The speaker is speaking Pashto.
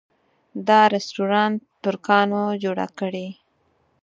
دا رسټورانټ ترکانو جوړه کړې.